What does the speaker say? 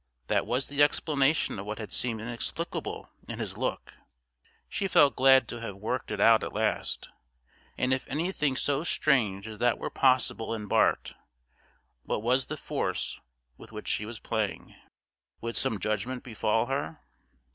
That was the explanation of what had seemed inexplicable in his look (she felt glad to have worked it out at last); and if anything so strange as that were possible in Bart, what was the force with which she was playing? Would some judgment befall her?